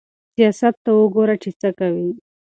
سياست ته وګوره چې څه کوي.